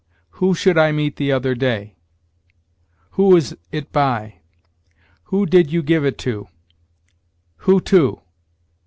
'who should I meet the other day?' 'who is it by?' 'who did you give it to?' 'who to?'